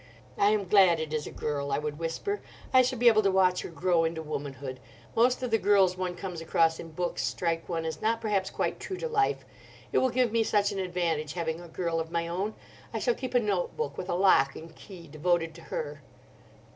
'I am glad it is a girl,' I would whisper; 'I shall be able to watch her grow into womanhood. Most of the girls one comes across in books strike one as not perhaps quite true to life. It will give me such an advantage having a girl of my own. I shall keep a note book, with a lock and key, devoted to her.